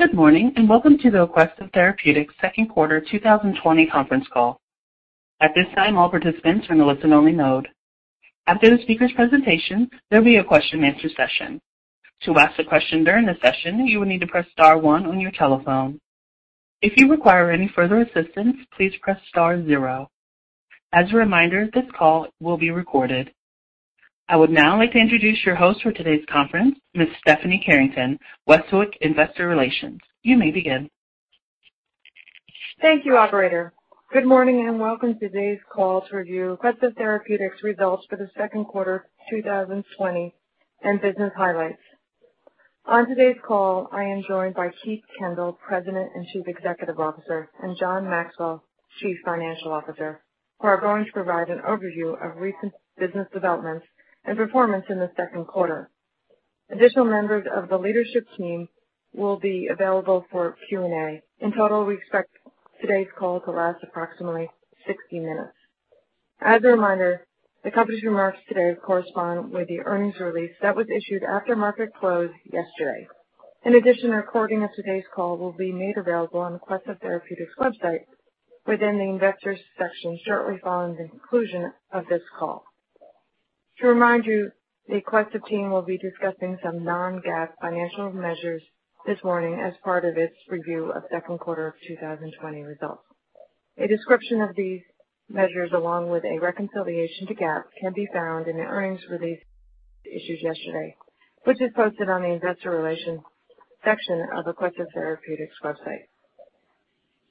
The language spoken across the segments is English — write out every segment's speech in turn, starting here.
Good morning, and welcome to the Aquestive Therapeutics second quarter 2020 conference call. I would now like to introduce your host for today's conference, Ms. Stephanie Carrington, Westwicke Investor Relations. You may begin. Thank you, operator. Good morning, and welcome to today's call to review Aquestive Therapeutics results for the second quarter 2020, and business highlights. On today's call, I am joined by Keith Kendall, President and Chief Executive Officer, and John Maxwell, Chief Financial Officer, who are going to provide an overview of recent business developments and performance in the second quarter. Additional members of the leadership team will be available for Q&A. In total, we expect today's call to last approximately 60 minutes. As a reminder, the company's remarks today correspond with the earnings release that was issued after market close yesterday. In addition, a recording of today's call will be made available on Aquestive Therapeutics website within the Investors section shortly following the conclusion of this call. To remind you, the Aquestive team will be discussing some non-GAAP financial measures this morning as part of its review of second quarter of 2020 results. A description of these measures, along with a reconciliation to GAAP, can be found in the earnings release issued yesterday, which is posted on the Investor Relations section of Aquestive Therapeutics website.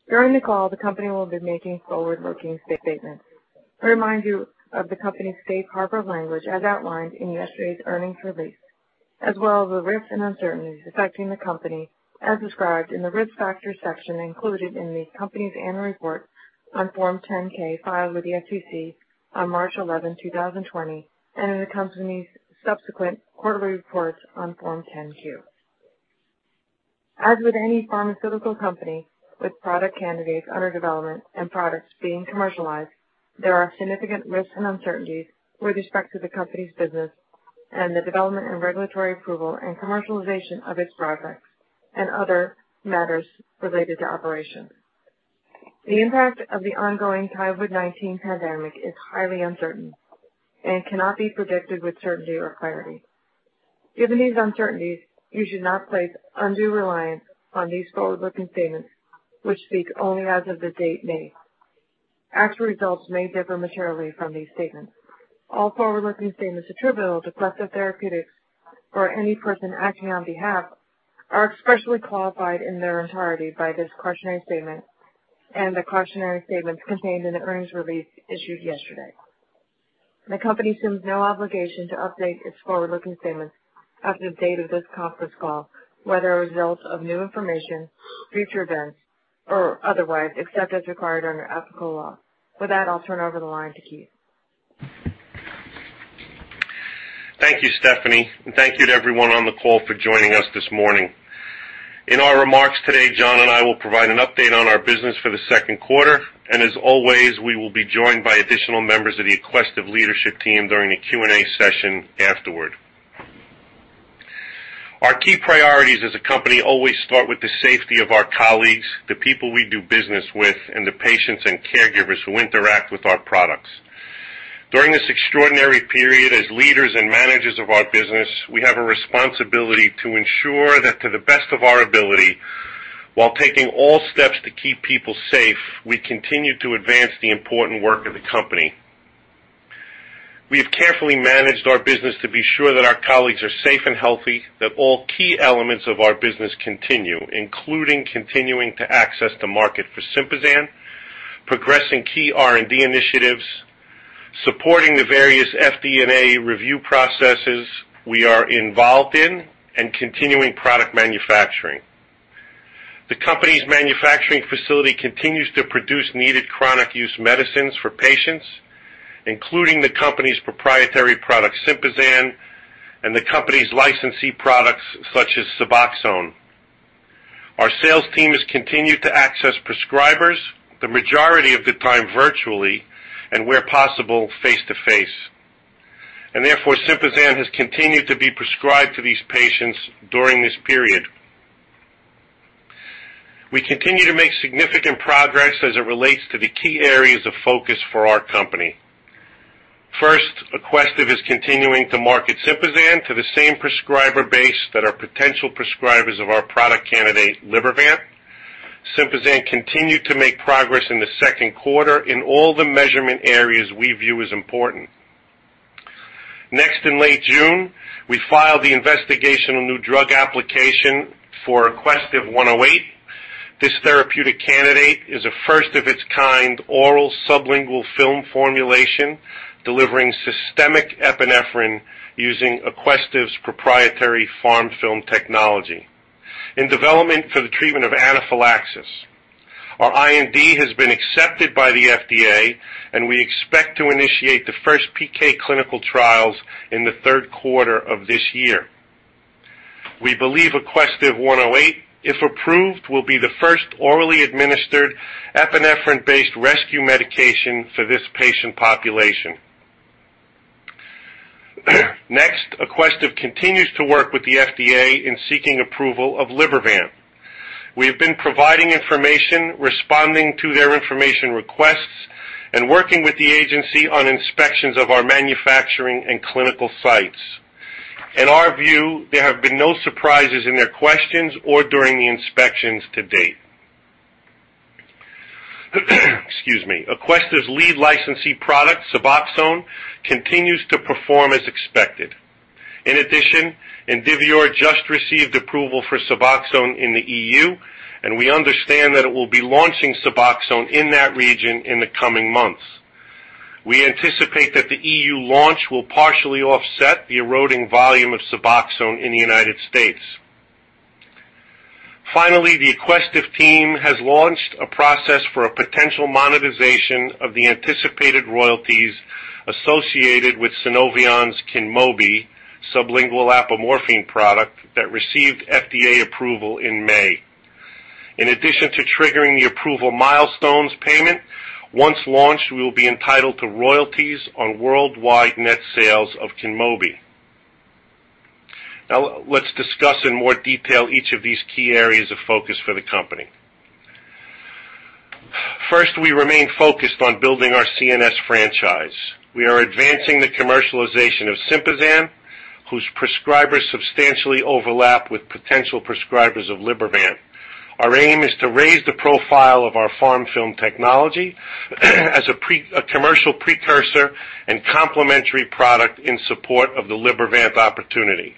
During the call, the company will be making forward-looking statements. I remind you of the company's safe harbor language as outlined in yesterday's earnings release, as well as the risks and uncertainties affecting the company, as described in the Risk Factors section included in the company's annual report on Form 10-K filed with the SEC on March 11, 2020, and in the company's subsequent quarterly reports on Form 10-Q. As with any pharmaceutical company with product candidates under development and products being commercialized, there are significant risks and uncertainties with respect to the company's business and the development and regulatory approval and commercialization of its products and other matters related to operations. The impact of the ongoing COVID-19 pandemic is highly uncertain and cannot be predicted with certainty or clarity. Given these uncertainties, you should not place undue reliance on these forward-looking statements, which speak only as of the date made. Actual results may differ materially from these statements. All forward-looking statements attributable to Aquestive Therapeutics or any person acting on behalf are expressly qualified in their entirety by this cautionary statement and the cautionary statements contained in the earnings release issued yesterday. The company assumes no obligation to update its forward-looking statements as of the date of this conference call, whether as a result of new information, future events, or otherwise, except as required under applicable law. With that, I'll turn over the line to Keith. Thank you, Stephanie, and thank you to everyone on the call for joining us this morning. In our remarks today, John and I will provide an update on our business for the second quarter, and as always, we will be joined by additional members of the Aquestive leadership team during the Q&A session afterward. Our key priorities as a company always start with the safety of our colleagues, the people we do business with, and the patients and caregivers who interact with our products. During this extraordinary period, as leaders and managers of our business, we have a responsibility to ensure that to the best of our ability, while taking all steps to keep people safe, we continue to advance the important work of the company. We have carefully managed our business to be sure that our colleagues are safe and healthy, that all key elements of our business continue, including continuing to access the market for Sympazan, progressing key R&D initiatives, supporting the various FDA review processes we are involved in, and continuing product manufacturing. The company's manufacturing facility continues to produce needed chronic use medicines for patients, including the company's proprietary product, Sympazan, and the company's licensee products, such as SUBOXONE. Our sales team has continued to access prescribers the majority of the time virtually, and where possible, face to face. Therefore, Sympazan has continued to be prescribed to these patients during this period. We continue to make significant progress as it relates to the key areas of focus for our company. First, Aquestive is continuing to market Sympazan to the same prescriber base that are potential prescribers of our product candidate, Libervant. Sympazan continued to make progress in the second quarter in all the measurement areas we view as important. In late June, we filed the investigational new drug application for AQST-108. This therapeutic candidate is a first of its kind oral sublingual film formulation delivering systemic epinephrine using Aquestive's proprietary PharmFilm technology in development for the treatment of anaphylaxis. Our IND has been accepted by the FDA, and we expect to initiate the first PK clinical trials in the third quarter of this year. We believe AQST-108, if approved, will be the first orally administered epinephrine-based rescue medication for this patient population. Aquestive continues to work with the FDA in seeking approval of Libervant. We have been providing information, responding to their information requests, and working with the agency on inspections of our manufacturing and clinical sites. In our view, there have been no surprises in their questions or during the inspections to date. Excuse me. Aquestive's lead licensee product, SUBOXONE, continues to perform as expected. In addition, Indivior just received approval for SUBOXONE in the EU, and we understand that it will be launching SUBOXONE in that region in the coming months. We anticipate that the EU launch will partially offset the eroding volume of SUBOXONE in the United States. Finally, the Aquestive team has launched a process for a potential monetization of the anticipated royalties associated with Sunovion's KYNMOBI, sublingual apomorphine product that received FDA approval in May. In addition to triggering the approval milestones payment, once launched, we will be entitled to royalties on worldwide net sales of KYNMOBI. Now, let's discuss in more detail each of these key areas of focus for the company. First, we remain focused on building our CNS franchise. We are advancing the commercialization of Sympazan, whose prescribers substantially overlap with potential prescribers of Libervant. Our aim is to raise the profile of our PharmFilm technology as a commercial precursor and complementary product in support of the Libervant opportunity.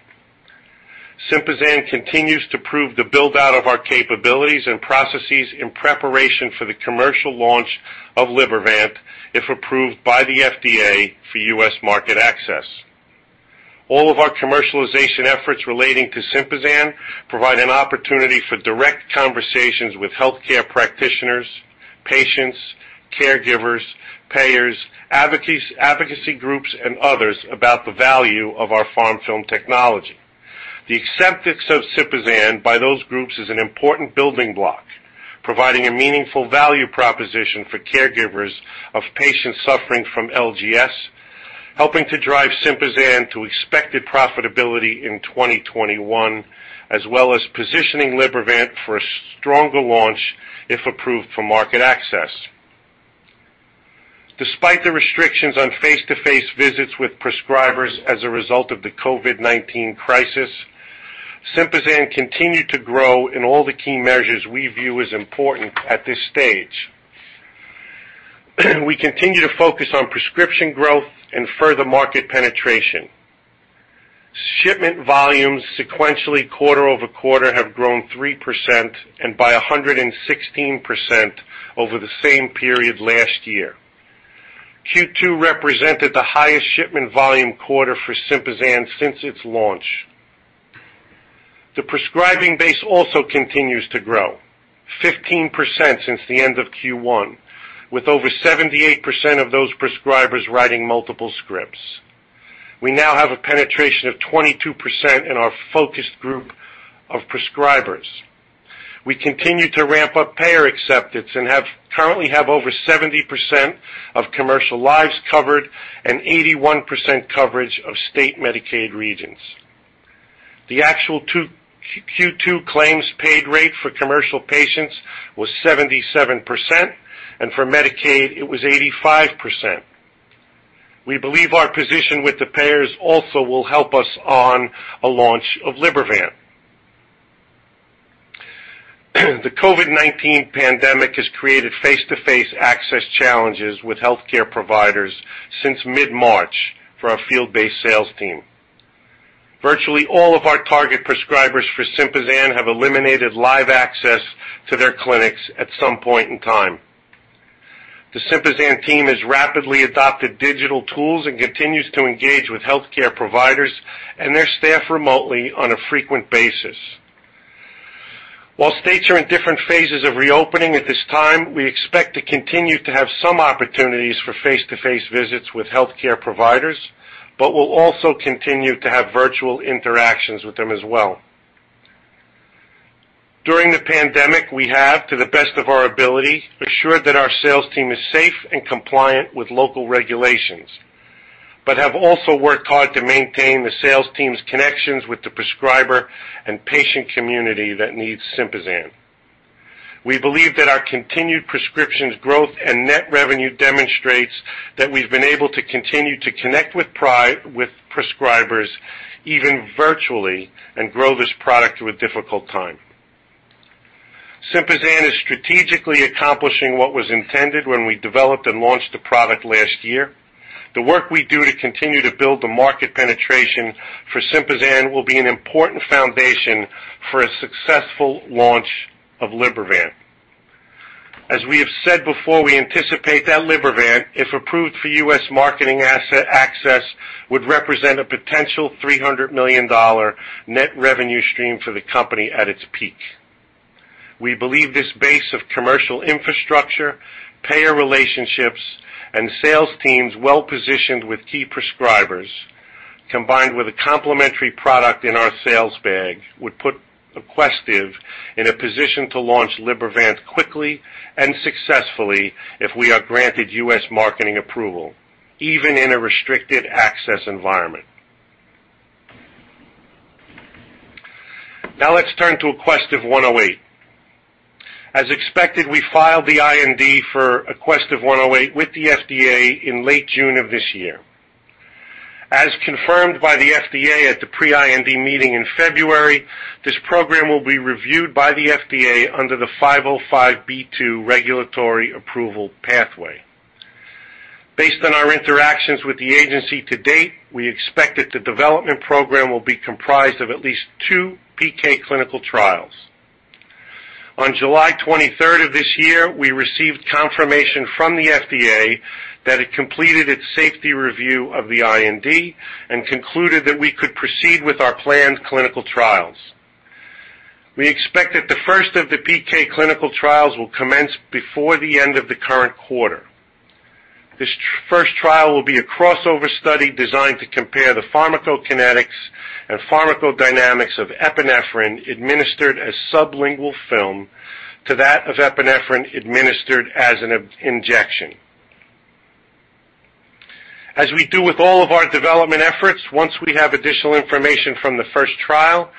Sympazan continues to prove the build-out of our capabilities and processes in preparation for the commercial launch of Libervant, if approved by the FDA for U.S. market access. All of our commercialization efforts relating to Sympazan provide an opportunity for direct conversations with healthcare practitioners, patients, caregivers, payers, advocacy groups, and others about the value of our PharmFilm technology. The acceptance of Sympazan by those groups is an important building block, providing a meaningful value proposition for caregivers of patients suffering from LGS, helping to drive Sympazan to expected profitability in 2021, as well as positioning Libervant for a stronger launch if approved for market access. Despite the restrictions on face-to-face visits with prescribers as a result of the COVID-19 crisis, Sympazan continued to grow in all the key measures we view as important at this stage. We continue to focus on prescription growth and further market penetration. Shipment volumes sequentially quarter-over-quarter have grown 3% and by 116% over the same period last year. Q2 represented the highest shipment volume quarter for Sympazan since its launch. The prescribing base also continues to grow 15% since the end of Q1, with over 78% of those prescribers writing multiple scripts. We now have a penetration of 22% in our focus group of prescribers. We continue to ramp up payer acceptance and currently have over 70% of commercial lives covered and 81% coverage of state Medicaid regions. The actual Q2 claims paid rate for commercial patients was 77%, and for Medicaid, it was 85%. We believe our position with the payers also will help us on a launch of Libervant. The COVID-19 pandemic has created face-to-face access challenges with healthcare providers since mid-March for our field-based sales team. Virtually all of our target prescribers for Sympazan have eliminated live access to their clinics at some point in time. The Sympazan team has rapidly adopted digital tools and continues to engage with healthcare providers and their staff remotely on a frequent basis. While states are in different phases of reopening at this time, we expect to continue to have some opportunities for face-to-face visits with healthcare providers, but we'll also continue to have virtual interactions with them as well. During the pandemic, we have, to the best of our ability, assured that our sales team is safe and compliant with local regulations but have also worked hard to maintain the sales team's connections with the prescriber and patient community that needs Sympazan. We believe that our continued prescriptions growth and net revenue demonstrates that we've been able to continue to connect with prescribers, even virtually, and grow this product through a difficult time. Sympazan is strategically accomplishing what was intended when we developed and launched the product last year. The work we do to continue to build the market penetration for Sympazan will be an important foundation for a successful launch of Libervant. As we have said before, we anticipate that Libervant, if approved for U.S. marketing access, would represent a potential $300 million net revenue stream for the company at its peak. We believe this base of commercial infrastructure, payer relationships, and sales teams well-positioned with key prescribers, combined with a complementary product in our sales bag, would put Aquestive in a position to launch Libervant quickly and successfully if we are granted U.S. marketing approval, even in a restricted access environment. Let's turn to AQST-108. As expected, we filed the IND for AQST-108 with the FDA in late June of this year. As confirmed by the FDA at the pre-IND meeting in February, this program will be reviewed by the FDA under the 505(b)(2) regulatory approval pathway. Based on our interactions with the agency to date, we expect that the development program will be comprised of at least two PK clinical trials. On July 23rd of this year, we received confirmation from the FDA that it completed its safety review of the IND and concluded that we could proceed with our planned clinical trials. We expect that the first of the PK clinical trials will commence before the end of the current quarter. This first trial will be a crossover study designed to compare the pharmacokinetics and pharmacodynamics of epinephrine administered as sublingual film to that of epinephrine administered as an injection. As we do with all of our development efforts, once we have additional information from the first trial,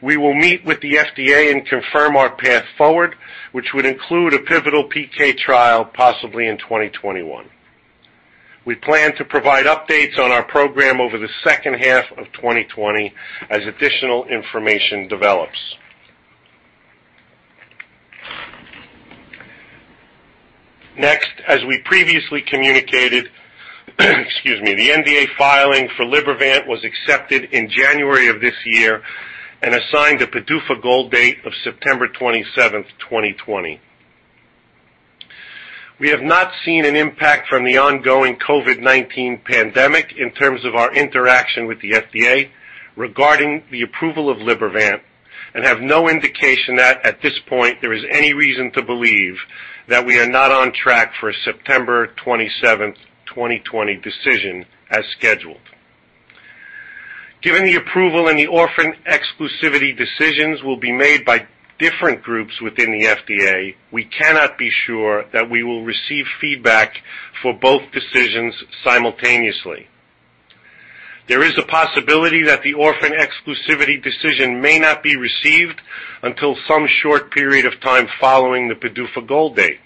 we will meet with the FDA and confirm our path forward, which would include a pivotal PK trial, possibly in 2021. We plan to provide updates on our program over the second half of 2020 as additional information develops. Next, as we previously communicated, the NDA filing for Libervant was accepted in January of this year and assigned a PDUFA goal date of September 27th, 2020. We have not seen an impact from the ongoing COVID-19 pandemic in terms of our interaction with the FDA regarding the approval of Libervant and have no indication that at this point, there is any reason to believe that we are not on track for a September 27th, 2020 decision as scheduled. Given the approval and the orphan exclusivity decisions will be made by different groups within the FDA, we cannot be sure that we will receive feedback for both decisions simultaneously. There is a possibility that the orphan exclusivity decision may not be received until some short period of time following the PDUFA goal date,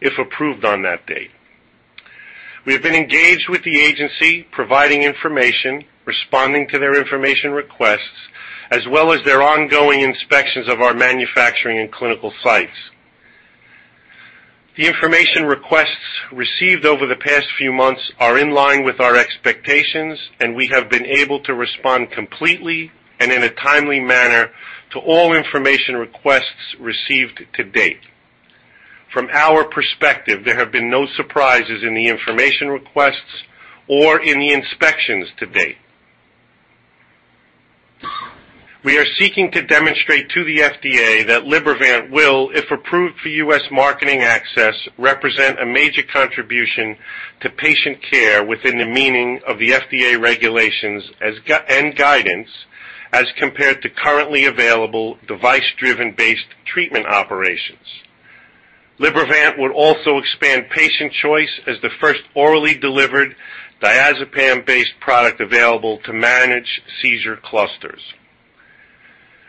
if approved on that date. We have been engaged with the FDA, providing information, responding to their information requests, as well as their ongoing inspections of our manufacturing and clinical sites. The information requests received over the past few months are in line with our expectations, and we have been able to respond completely and in a timely manner to all information requests received to date. From our perspective, there have been no surprises in the information requests or in the inspections to date. We are seeking to demonstrate to the FDA that Libervant will, if approved for U.S. marketing access, represent a major contribution to patient care within the meaning of the FDA regulations and guidance as compared to currently available device-driven based treatment operations. Libervant would also expand patient choice as the first orally delivered diazepam-based product available to manage seizure clusters.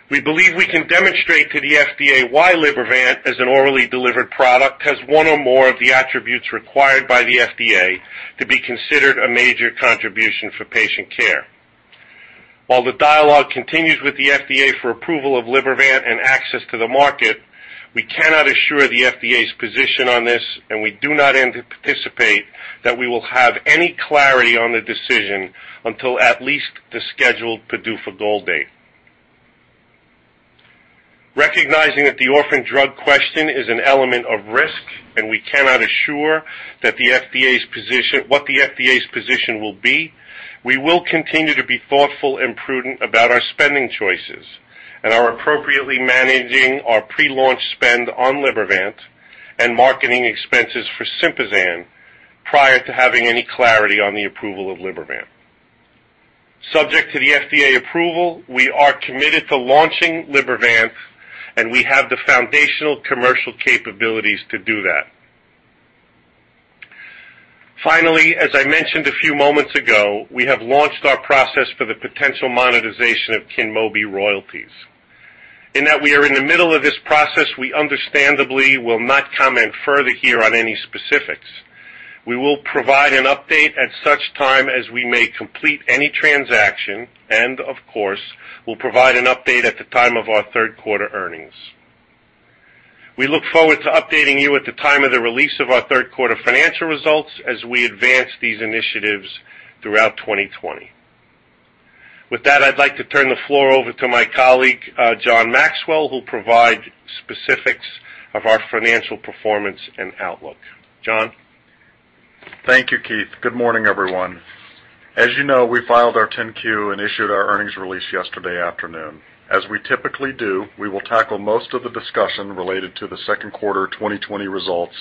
We believe we can demonstrate to the FDA why Libervant, as an orally delivered product, has one or more of the attributes required by the FDA to be considered a major contribution for patient care. The dialogue continues with the FDA for approval of Libervant and access to the market, we cannot assure the FDA's position on this, and we do not anticipate that we will have any clarity on the decision until at least the scheduled PDUFA goal date. Recognizing that the orphan drug question is an element of risk, and we cannot assure what the FDA's position will be, we will continue to be thoughtful and prudent about our spending choices and are appropriately managing our pre-launch spend on Libervant and marketing expenses for Sympazan prior to having any clarity on the approval of Libervant. Subject to the FDA approval, we are committed to launching Libervant, and we have the foundational commercial capabilities to do that. Finally, as I mentioned a few moments ago, we have launched our process for the potential monetization of KYNMOBI royalties. In that we are in the middle of this process, we understandably will not comment further here on any specifics. We will provide an update at such time as we may complete any transaction, and of course, we'll provide an update at the time of our third quarter earnings. We look forward to updating you at the time of the release of our third-quarter financial results as we advance these initiatives throughout 2020. With that, I'd like to turn the floor over to my colleague, John Maxwell, who'll provide specifics of our financial performance and outlook. John? Thank you, Keith. Good morning, everyone. As you know, we filed our 10-Q and issued our earnings release yesterday afternoon. As we typically do, we will tackle most of the discussion related to the second quarter 2020 results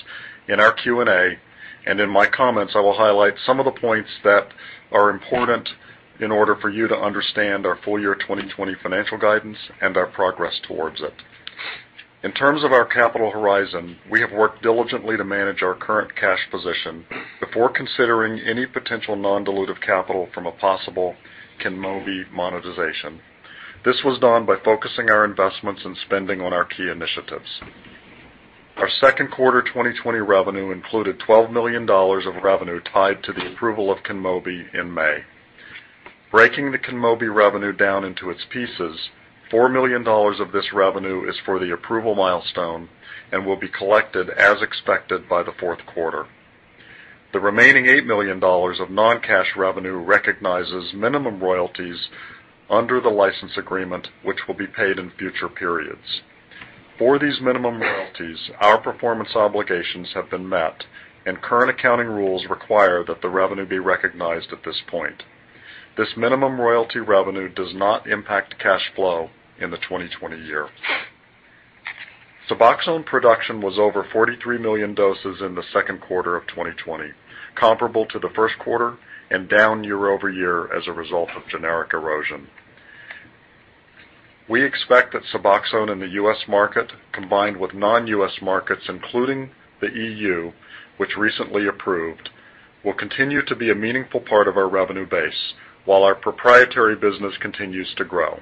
in our Q&A. In my comments, I will highlight some of the points that are important in order for you to understand our full year 2020 financial guidance and our progress towards it. In terms of our capital horizon, we have worked diligently to manage our current cash position before considering any potential non-dilutive capital from a possible KYNMOBI monetization. This was done by focusing our investments and spending on our key initiatives. Our second quarter 2020 revenue included $12 million of revenue tied to the approval of KYNMOBI in May. Breaking the KYNMOBI revenue down into its pieces, $4 million of this revenue is for the approval milestone and will be collected as expected by the fourth quarter. The remaining $8 million of non-cash revenue recognizes minimum royalties under the license agreement, which will be paid in future periods. For these minimum royalties, our performance obligations have been met, and current accounting rules require that the revenue be recognized at this point. This minimum royalty revenue does not impact cash flow in the 2020 year. SUBOXONE production was over 43 million doses in the second quarter of 2020, comparable to the first quarter and down year-over-year as a result of generic erosion. We expect that SUBOXONE in the U.S. market, combined with non-U.S. markets, including the EU, which recently approved, will continue to be a meaningful part of our revenue base while our proprietary business continues to grow.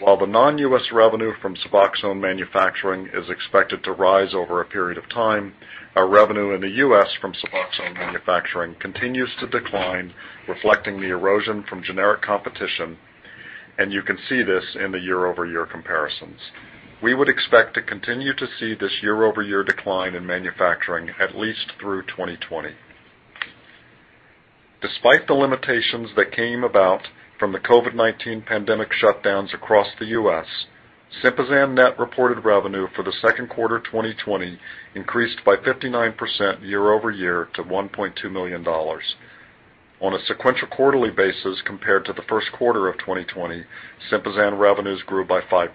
While the non-U.S. revenue from SUBOXONE manufacturing is expected to rise over a period of time, our revenue in the U.S. from SUBOXONE manufacturing continues to decline, reflecting the erosion from generic competition, and you can see this in the year-over-year comparisons. We would expect to continue to see this year-over-year decline in manufacturing at least through 2020. Despite the limitations that came about from the COVID-19 pandemic shutdowns across the U.S., Sympazan net reported revenue for the second quarter 2020 increased by 59% year-over-year to $1.2 million. On a sequential quarterly basis compared to the first quarter of 2020, Sympazan revenues grew by 5%.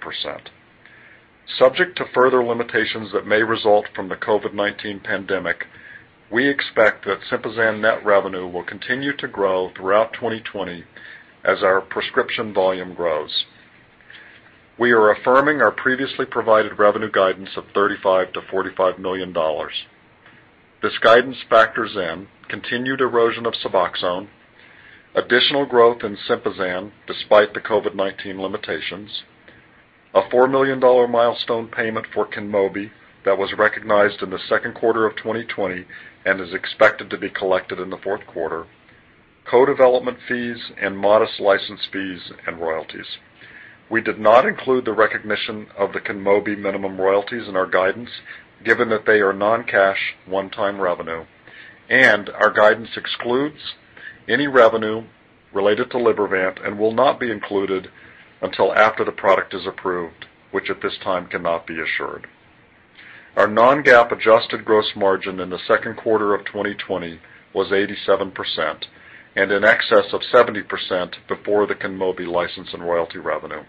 Subject to further limitations that may result from the COVID-19 pandemic, we expect that Sympazan net revenue will continue to grow throughout 2020 as our prescription volume grows. We are affirming our previously provided revenue guidance of $35 million-$45 million. This guidance factors in continued erosion of SUBOXONE, additional growth in Sympazan despite the COVID-19 limitations, a $4 million milestone payment for KYNMOBI that was recognized in the second quarter of 2020 and is expected to be collected in the fourth quarter, co-development fees and modest license fees and royalties. We did not include the recognition of the KYNMOBI minimum royalties in our guidance, given that they are non-cash, one-time revenue. Our guidance excludes any revenue related to Libervant and will not be included until after the product is approved, which at this time cannot be assured. Our non-GAAP adjusted gross margin in the second quarter of 2020 was 87% and in excess of 70% before the KYNMOBI license and royalty revenue.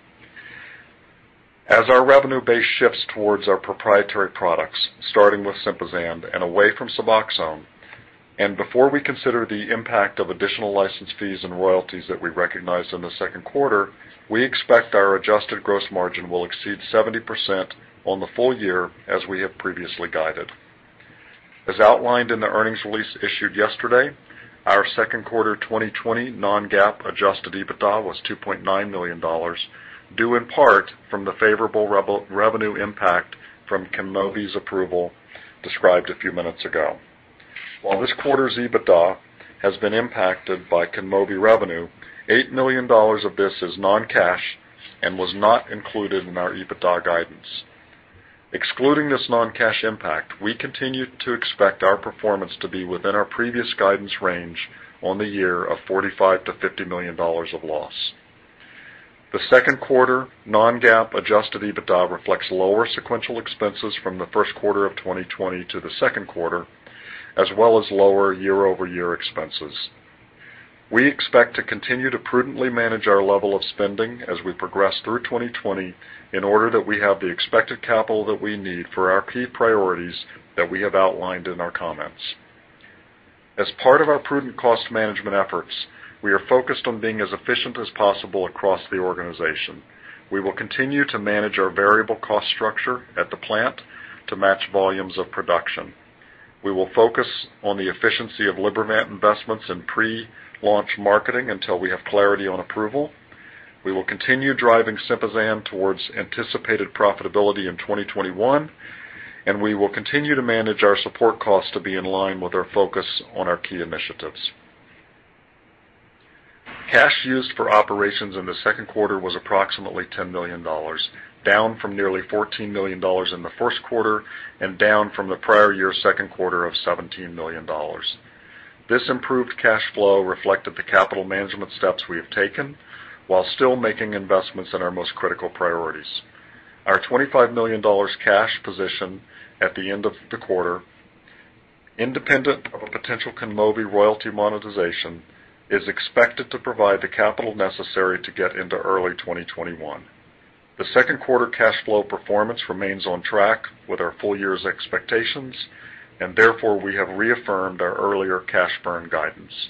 As our revenue base shifts towards our proprietary products, starting with Sympazan and away from SUBOXONE, before we consider the impact of additional license fees and royalties that we recognized in the second quarter, we expect our adjusted gross margin will exceed 70% on the full year as we have previously guided. As outlined in the earnings release issued yesterday, our second quarter 2020 non-GAAP adjusted EBITDA was $2.9 million, due in part from the favorable revenue impact from KYNMOBI's approval described a few minutes ago. While this quarter's EBITDA has been impacted by KYNMOBI revenue, $8 million of this is non-cash and was not included in our EBITDA guidance. Excluding this non-cash impact, we continue to expect our performance to be within our previous guidance range on the year of $45 million-$50 million of loss. The second quarter non-GAAP adjusted EBITDA reflects lower sequential expenses from the first quarter of 2020 to the second quarter, as well as lower year-over-year expenses. We expect to continue to prudently manage our level of spending as we progress through 2020 in order that we have the expected capital that we need for our key priorities that we have outlined in our comments. As part of our prudent cost management efforts, we are focused on being as efficient as possible across the organization. We will continue to manage our variable cost structure at the plant to match volumes of production. We will focus on the efficiency of Libervant investments in pre-launch marketing until we have clarity on approval. We will continue driving Sympazan towards anticipated profitability in 2021, and we will continue to manage our support costs to be in line with our focus on our key initiatives. Cash used for operations in the second quarter was approximately $10 million, down from nearly $14 million in the first quarter and down from the prior year second quarter of $17 million. This improved cash flow reflected the capital management steps we have taken while still making investments in our most critical priorities. Our $25 million cash position at the end of the quarter, independent of a potential KYNMOBI royalty monetization, is expected to provide the capital necessary to get into early 2021. The second quarter cash flow performance remains on track with our full year's expectations, and therefore we have reaffirmed our earlier cash burn guidance.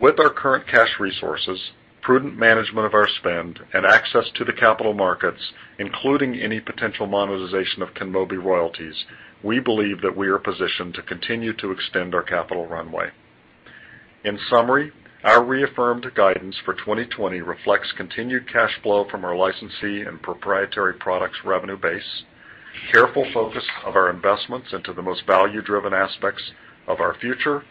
With our current cash resources, prudent management of our spend, and access to the capital markets, including any potential monetization of KYNMOBI royalties, we believe that we are positioned to continue to extend our capital runway. In summary, our reaffirmed guidance for 2020 reflects continued cash flow from our licensee and proprietary products revenue base, careful focus of our investments into the most value-driven aspects of our future,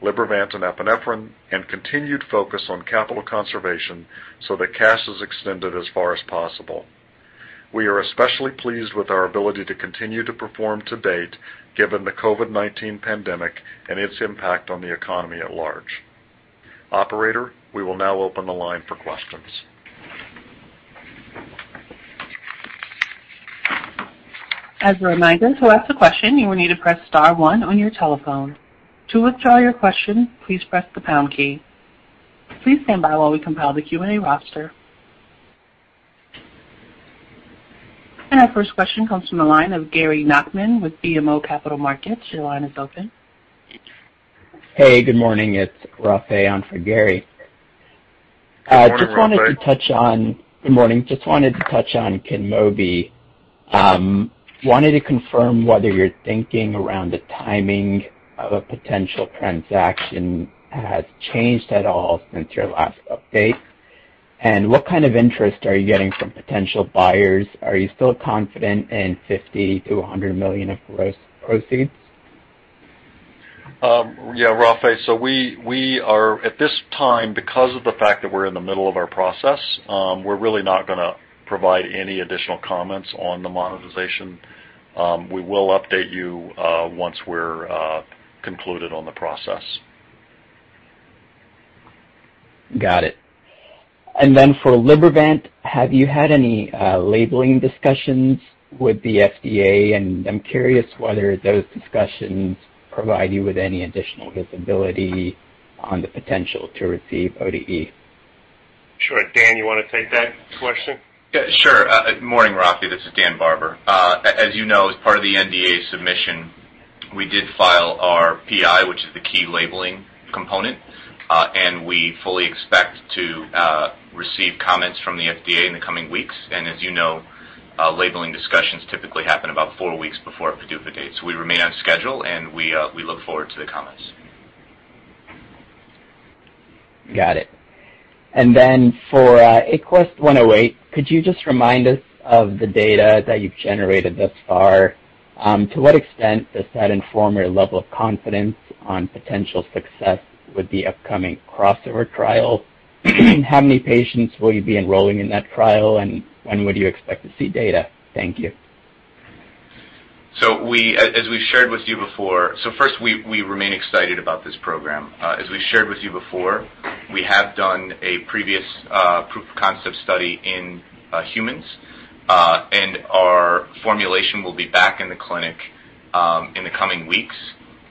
Libervant and epinephrine, and continued focus on capital conservation so that cash is extended as far as possible. We are especially pleased with our ability to continue to perform to date, given the COVID-19 pandemic and its impact on the economy at large. Operator, we will now open the line for questions. Our first question comes from the line of Gary Nachman with BMO Capital Markets. Your line is open. Hey, good morning. It's Rafay on for Gary. Morning, Rafay. Good morning. Wanted to touch on KYNMOBI. Wanted to confirm whether your thinking around the timing of a potential transaction has changed at all since your last update, and what kind of interest are you getting from potential buyers? Are you still confident in $50 million-$100 million of gross proceeds? Yeah, Rafay. We are, at this time, because of the fact that we're in the middle of our process, we're really not going to provide any additional comments on the monetization. We will update you once we're concluded on the process. Got it. For Libervant, have you had any labeling discussions with the FDA? I'm curious whether those discussions provide you with any additional visibility on the potential to receive ODE. Sure. Dan, you want to take that question? Yeah, sure. Morning, Rafay. This is Daniel Barber. As you know, as part of the NDA submission, we did file our PI, which is the key labeling component. We fully expect to receive comments from the FDA in the coming weeks. As you know, labeling discussions typically happen about four weeks before a PDUFA date. We remain on schedule, and we look forward to the comments. Got it. For AQST-108, could you just remind us of the data that you've generated thus far? To what extent does that inform your level of confidence on potential success with the upcoming crossover trial? How many patients will you be enrolling in that trial, and when would you expect to see data? Thank you. As we've shared with you before, first, we remain excited about this program. As we shared with you before, we have done a previous proof of concept study in humans, and our formulation will be back in the clinic in the coming weeks.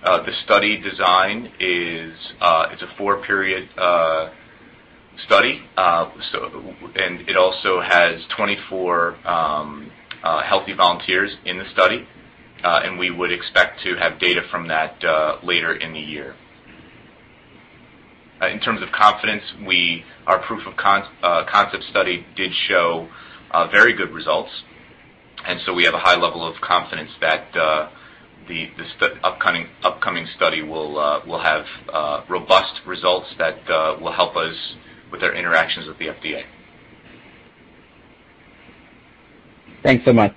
The study design is a four-period study. It also has 24 healthy volunteers in the study. We would expect to have data from that later in the year. In terms of confidence, our proof of concept study did show very good results, and so we have a high level of confidence that the upcoming study will have robust results that will help us with our interactions with the FDA. Thanks so much.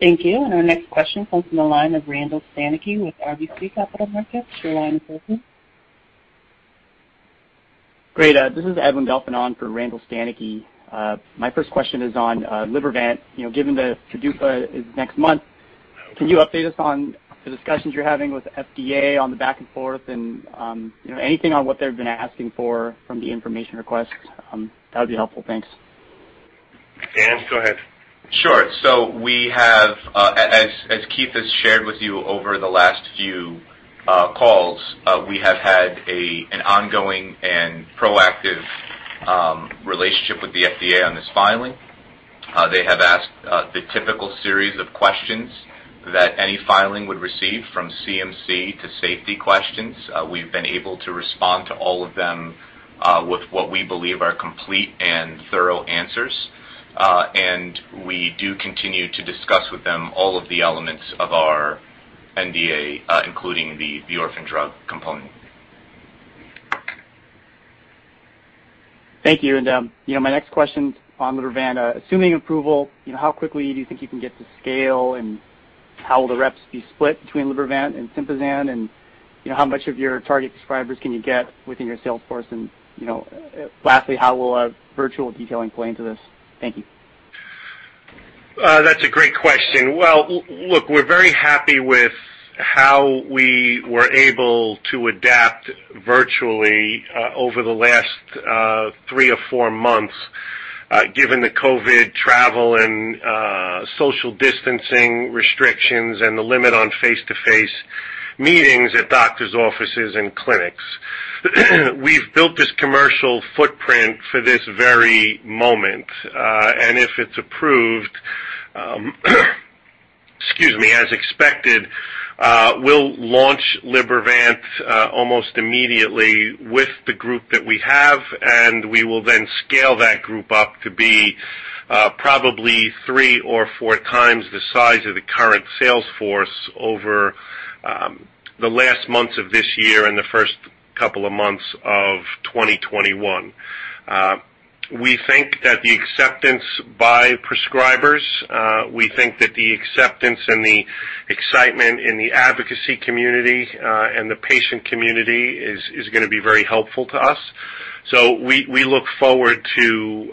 Thank you. Our next question comes from the line of Randall Stanicky with RBC Capital Markets. Your line is open. Great. This is Edwin Delfin on for Randall Stanicky. My first question is on Libervant. Given that PDUFA is next month, can you update us on the discussions you're having with FDA on the back and forth and anything on what they've been asking for from the information requests? That would be helpful. Thanks. Dan, go ahead. Sure. As Keith has shared with you over the last few calls, we have had an ongoing and proactive relationship with the FDA on this filing. They have asked the typical series of questions that any filing would receive, from CMC to safety questions. We've been able to respond to all of them with what we believe are complete and thorough answers. We do continue to discuss with them all of the elements of our NDA, including the orphan drug component. Thank you. My next question on Libervant. Assuming approval, how quickly do you think you can get to scale, and how will the reps be split between Libervant and Sympazan, and how much of your target prescribers can you get within your sales force? Lastly, how will virtual detailing play into this? Thank you. That's a great question. Well, look, we're very happy with how we were able to adapt virtually over the last three or four months Given the COVID travel and social distancing restrictions and the limit on face-to-face meetings at doctor's offices and clinics. We've built this commercial footprint for this very moment. If it's approved, excuse me, as expected, we'll launch Libervant almost immediately with the group that we have, and we will then scale that group up to be probably three or four times the size of the current sales force over the last months of this year and the first couple of months of 2021. We think that the acceptance by prescribers, we think that the acceptance and the excitement in the advocacy community, and the patient community is going to be very helpful to us. We look forward to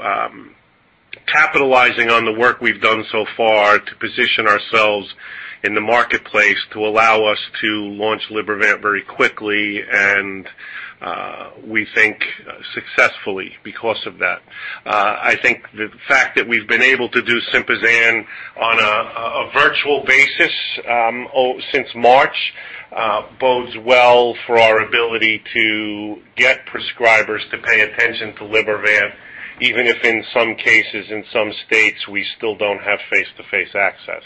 capitalizing on the work we've done so far to position ourselves in the marketplace to allow us to launch Libervant very quickly, and, we think, successfully because of that. I think the fact that we've been able to do Sympazan on a virtual basis, since March bodes well for our ability to get prescribers to pay attention to Libervant, even if in some cases, in some states, we still don't have face-to-face access.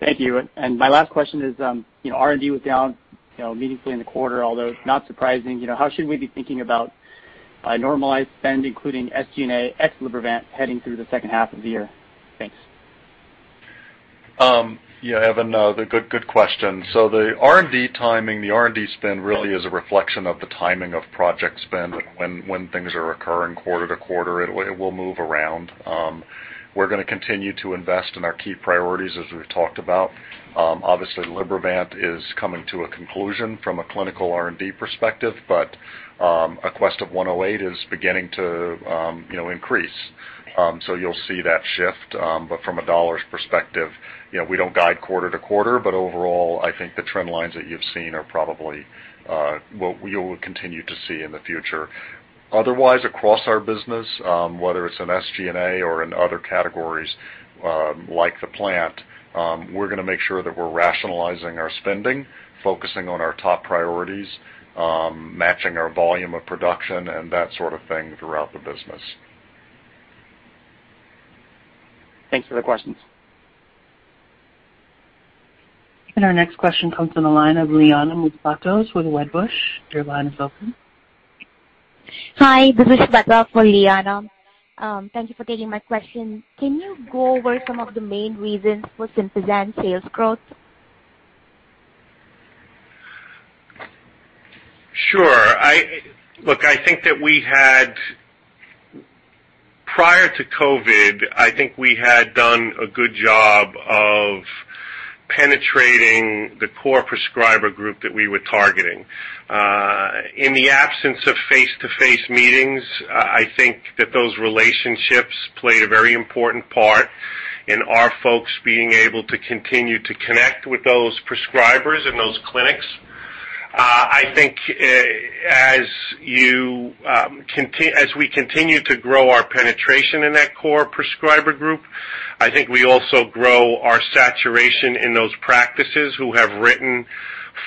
Thank you. My last question is, R&D was down meaningfully in the quarter, although not surprising. How should we be thinking about a normalized spend, including SG&A ex Libervant heading through the second half of the year? Thanks. Edwin, good question. The R&D timing, the R&D spend really is a reflection of the timing of project spend when things are occurring quarter to quarter, it will move around. We're going to continue to invest in our key priorities as we've talked about. Obviously, Libervant is coming to a conclusion from a clinical R&D perspective, AQST-108 is beginning to increase. You'll see that shift, but from a dollars perspective, we don't guide quarter to quarter, but overall, I think the trend lines that you've seen are probably what you'll continue to see in the future. Otherwise, across our business, whether it's in SG&A or in other categories like the plant, we're going to make sure that we're rationalizing our spending, focusing on our top priorities, matching our volume of production and that sort of thing throughout the business. Thanks for the questions. Our next question comes from the line of Liana Moussatos with Wedbush. Your line is open. Hi, this is Moussatos for Liana. Thank you for taking my question. Can you go over some of the main reasons for Sympazan sales growth? Sure. Look, prior to COVID, I think we had done a good job of penetrating the core prescriber group that we were targeting. In the absence of face-to-face meetings, I think that those relationships played a very important part in our folks being able to continue to connect with those prescribers and those clinics. I think as we continue to grow our penetration in that core prescriber group, I think we also grow our saturation in those practices who have written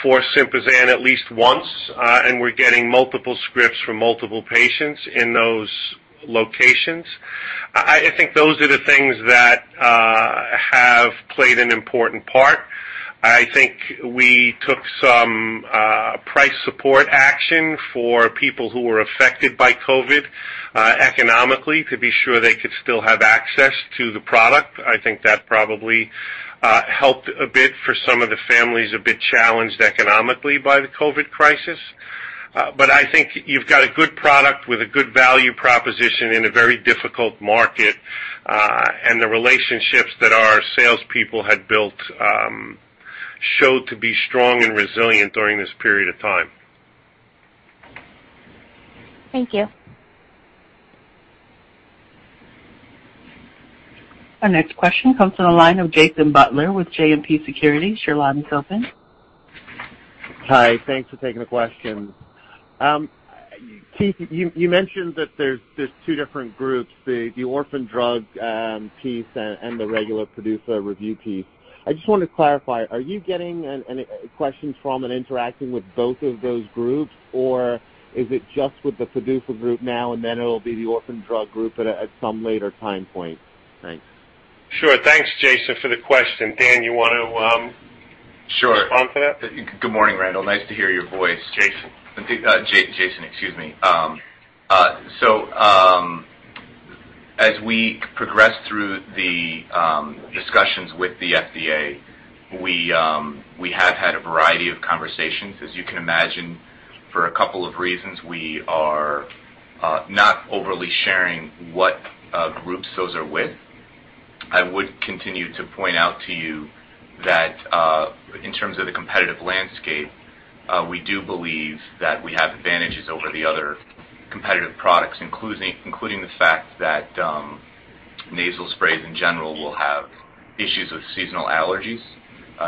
for Sympazan at least once. We're getting multiple scripts from multiple patients in those locations. I think those are the things that have played an important part. I think we took some price support action for people who were affected by COVID, economically to be sure they could still have access to the product. I think that probably helped a bit for some of the families a bit challenged economically by the COVID crisis. I think you've got a good product with a good value proposition in a very difficult market. The relationships that our salespeople had built showed to be strong and resilient during this period of time. Thank you. Our next question comes from the line of Jason Butler with JMP Securities. Your line is open. Hi. Thanks for taking the question. Keith, you mentioned that there's two different groups, the orphan drug piece and the regular PDUFA review piece. I just wanted to clarify, are you getting any questions from and interacting with both of those groups, or is it just with the PDUFA group now and then it'll be the orphan drug group at some later time point? Thanks. Sure. Thanks, Jason, for the question. Dan, you want to- Sure respond to that? Good morning, Randall. Nice to hear your voice. Jason. Jason, excuse me. As we progress through the discussions with the FDA, we have had a variety of conversations. As you can imagine, for a couple of reasons, we are not overly sharing what groups those are with. I would continue to point out to you that, in terms of the competitive landscape, we do believe that we have advantages over the other competitive products, including the fact that nasal sprays in general will have issues with seasonal allergies.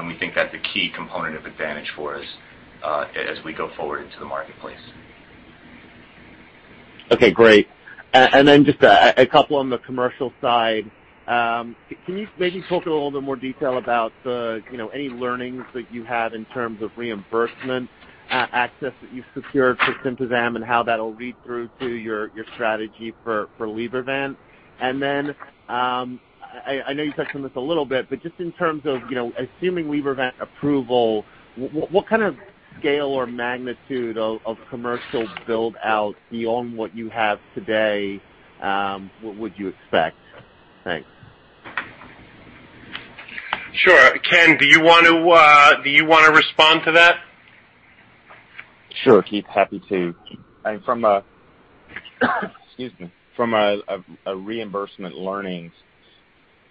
We think that's a key component of advantage for us as we go forward into the marketplace. Okay, great. Just a couple on the commercial side. Can you maybe talk in a little more detail about any learnings that you have in terms of reimbursement, access that you've secured for Sympazan and how that'll read through to your strategy for Libervant? I know you touched on this a little bit, but just in terms of assuming Libervant approval, what kind of scale or magnitude of commercial build-out beyond what you have today, what would you expect? Thanks. Sure. Ken, do you want to respond to that? Sure. Keith, happy to. From a reimbursement learnings,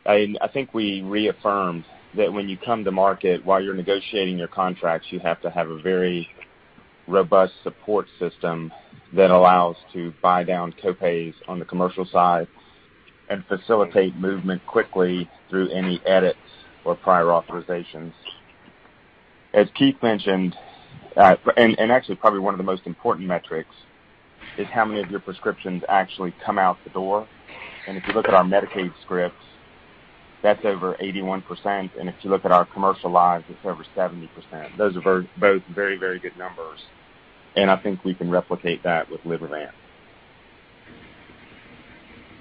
I think we reaffirmed that when you come to market, while you're negotiating your contracts, you have to have a very robust support system that allows to buy down co-pays on the commercial side and facilitate movement quickly through any edits or prior authorizations. As Keith mentioned, actually probably one of the most important metrics, is how many of your prescriptions actually come out the door. If you look at our Medicaid scripts, that's over 81%. If you look at our commercial lives, it's over 70%. Those are both very good numbers, and I think we can replicate that with Libervant.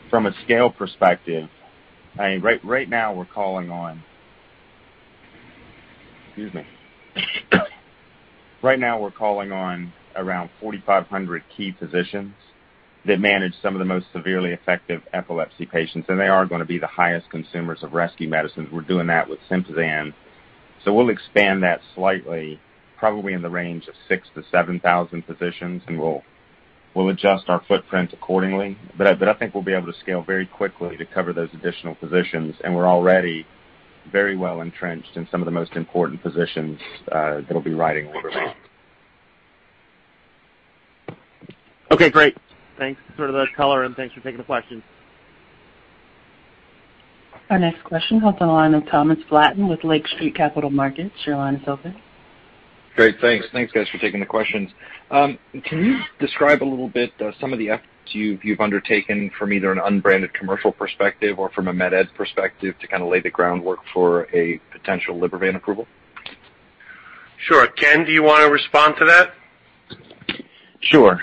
From a scale perspective, right now we're calling on. Right now we're calling on around 4,500 key physicians that manage some of the most severely affected epilepsy patients. They are going to be the highest consumers of rescue medicines. We're doing that with Sympazan. We'll expand that slightly, probably in the range of 6,000-7,000 physicians. We'll adjust our footprint accordingly. I think we'll be able to scale very quickly to cover those additional physicians. We're already very well-entrenched in some of the most important positions that'll be writing Libervant. Okay, great. Thanks for the color. Thanks for taking the question. Our next question comes on the line with Thomas Flaten with Lake Street Capital Markets. Your line is open. Great. Thanks, guys, for taking the questions. Can you describe a little bit some of the efforts you've undertaken from either an unbranded commercial perspective or from a med ed perspective to lay the groundwork for a potential Libervant approval? Sure. Ken, do you want to respond to that? Sure.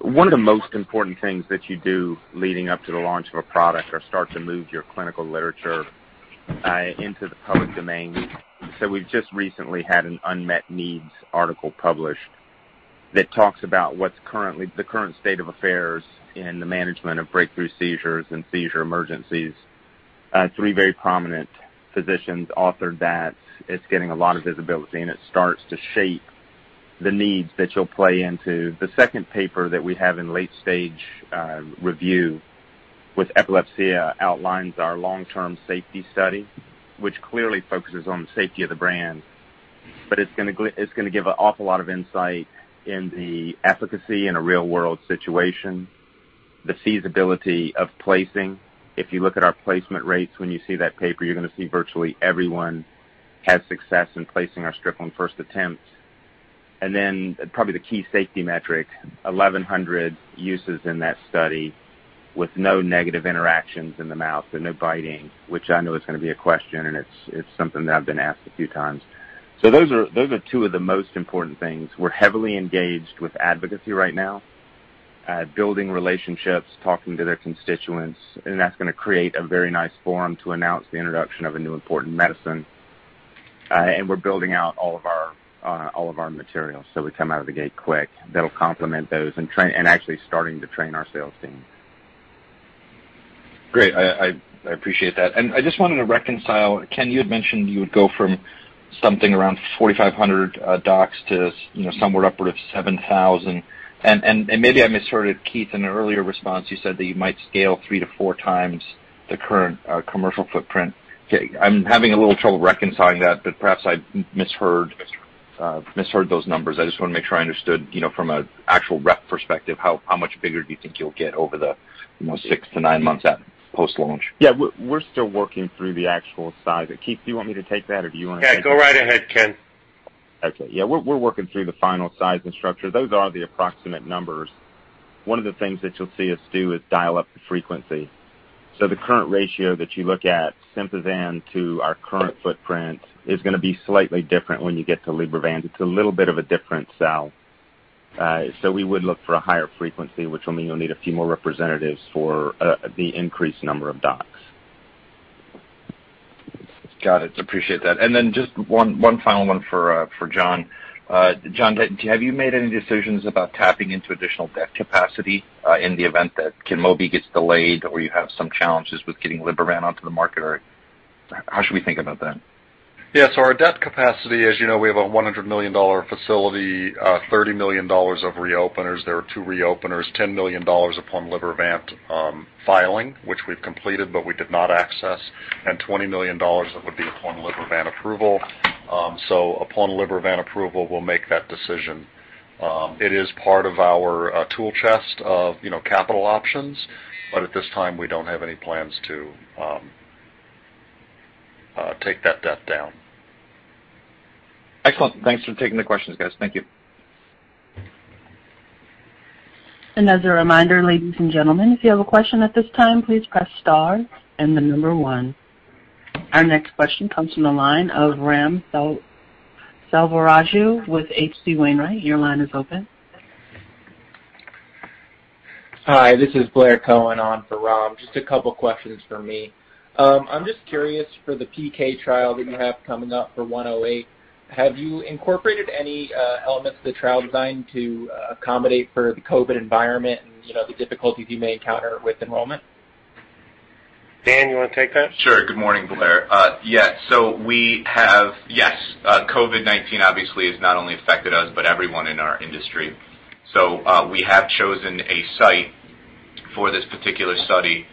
One of the most important things that you do leading up to the launch of a product are start to move your clinical literature into the public domain. We've just recently had an unmet needs article published that talks about the current state of affairs in the management of breakthrough seizures and seizure emergencies. Three very prominent physicians authored that. It's getting a lot of visibility, and it starts to shape the needs that you'll play into. The second paper that we have in late stage review with Epilepsia outlines our long-term safety study, which clearly focuses on the safety of the brand. It's going to give an awful lot of insight in the efficacy in a real-world situation, the feasibility of placing. If you look at our placement rates, when you see that paper, you're going to see virtually everyone has success in placing our strip on first attempt. Probably the key safety metric, 1,100 uses in that study with no negative interactions in the mouth and no biting, which I know is going to be a question, and it's something that I've been asked a few times. Those are two of the most important things. We're heavily engaged with advocacy right now, building relationships, talking to their constituents, and that's going to create a very nice forum to announce the introduction of a new important medicine. We're building out all of our materials, so we come out of the gate quick. That'll complement those and actually starting to train our sales team. Great. I appreciate that. I just wanted to reconcile, Ken, you had mentioned you would go from something around 4,500 docs to somewhere upward of 7,000. Maybe I misheard it, Keith, in an earlier response, you said that you might scale three to four times the current commercial footprint. I'm having a little trouble reconciling that, but perhaps I misheard those numbers. I just want to make sure I understood from an actual rep perspective, how much bigger do you think you'll get over the six to nine months at post-launch? Yeah. We're still working through the actual size. Keith, do you want me to take that or do you want to take it? Yeah, go right ahead, Ken. Okay. Yeah. We're working through the final size and structure. Those are the approximate numbers. The current ratio that you look at, Sympazan to our current footprint, is going to be slightly different when you get to Libervant. It's a little bit of a different sell. We would look for a higher frequency, which will mean you'll need a few more representatives for the increased number of docs. Got it. Appreciate that. Just one final one for John. John, have you made any decisions about tapping into additional debt capacity in the event that KYNMOBI gets delayed or you have some challenges with getting Libervant onto the market? How should we think about that? Yeah. Our debt capacity, as you know, we have a $100 million facility, $30 million of reopeners. There are two reopeners, $10 million upon Libervant filing, which we've completed, but we did not access, and $20 million that would be upon Libervant approval. Upon Libervant approval, we'll make that decision. It is part of our tool chest of capital options. At this time, we don't have any plans to take that debt down. Excellent. Thanks for taking the questions, guys. Thank you. Our next question comes from the line of Ram Selvaraju with H.C. Wainwright. Your line is open. Hi, this is Blair Cohen on for Ram. Just a couple questions from me. I'm just curious for the PK trial that you have coming up for 108, have you incorporated any elements of the trial design to accommodate for the COVID environment and the difficulties you may encounter with enrollment? Dan, you want to take that? Sure. Good morning, Blair. Yes. COVID-19 obviously has not only affected us, but everyone in our industry. We have chosen a site for this particular study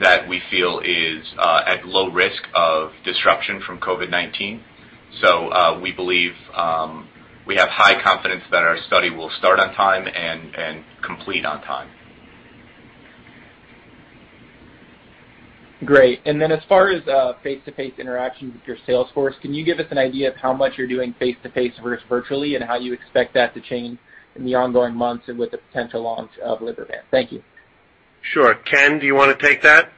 that we feel is at low risk of disruption from COVID-19. We believe we have high confidence that our study will start on time and complete on time. Great. As far as face-to-face interactions with your sales force, can you give us an idea of how much you're doing face-to-face versus virtually, and how you expect that to change in the ongoing months and with the potential launch of Libervant? Thank you. Sure. Ken, do you want to take that?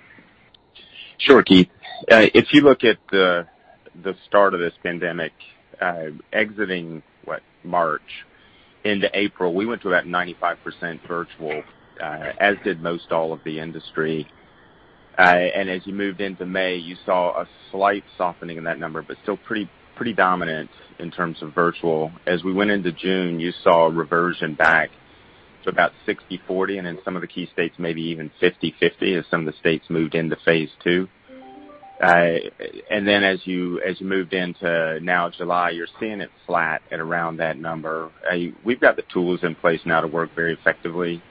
Sure, Keith. If you look at the start of this pandemic, exiting March into April, we went to about 95% virtual, as did most all of the industry. As you moved into May, you saw a slight softening in that number, but still pretty dominant in terms of virtual. As we went into June, you saw a reversion back to about 60/40, and in some of the key states, maybe even 50/50 as some of the states moved into phase II. Then as you moved into now July, you're seeing it flat at around that number. We've got the tools in place now to work very effectively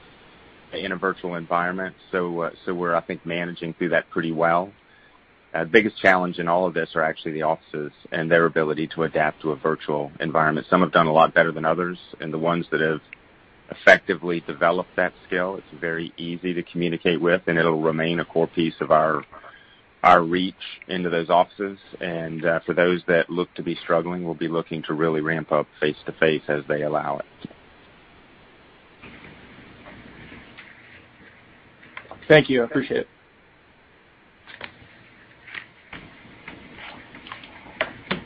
in a virtual environment. We're, I think, managing through that pretty well. Biggest challenge in all of this are actually the offices and their ability to adapt to a virtual environment. Some have done a lot better than others, and the ones that have effectively developed that skill, it's very easy to communicate with, and it'll remain a core piece of our reach into those offices. For those that look to be struggling, we'll be looking to really ramp up face-to-face as they allow it. Thank you. I appreciate it.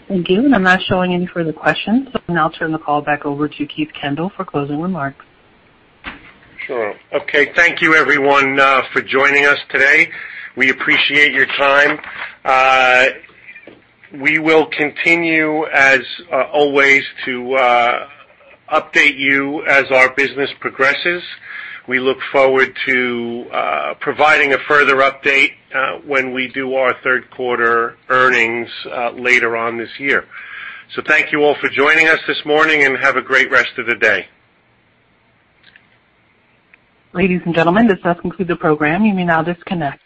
Thank you. I'm not showing any further questions, so I'll now turn the call back over to Keith Kendall for closing remarks. Sure. Okay. Thank you everyone for joining us today. We appreciate your time. We will continue as always to update you as our business progresses. We look forward to providing a further update when we do our third quarter earnings later on this year. Thank you all for joining us this morning, and have a great rest of the day. Ladies and gentlemen, this does conclude the program. You may now disconnect.